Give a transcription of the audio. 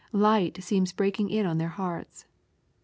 Light seems breaking in on their hearts.